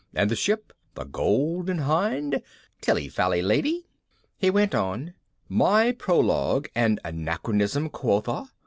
And the ship The Golden Hind? Tilly fally, lady!" He went on, "My prologue an anachronism, quotha!